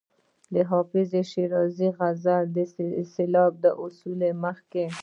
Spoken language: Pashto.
د حافظ شیرازي غزل د سېلاب د اصولو له مخې.